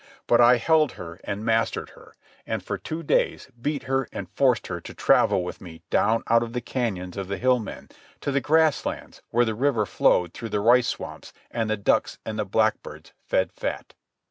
But I held her and mastered her, and for two days beat her and forced her to travel with me down out of the canyons of the Hill Men to the grass lands where the river flowed through the rice swamps and the ducks and the blackbirds fed fat.